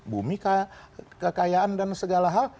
bumi kekayaan dan segala hal